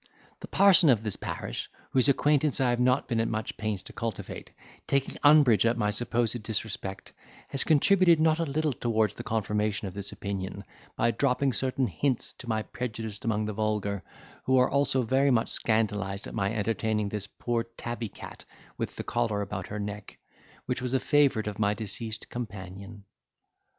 The parson of the parish, whose acquaintance I have not been at much pains to cultivate, taking umbrage at my supposed disrespect, has contributed not a little towards the confirmation of this opinion, by dropping certain hints to my prejudice among the vulgar, who are also very much scandalised at my entertaining this poor tabby cat with the collar about her neck, which was a favourite of my deceased companion."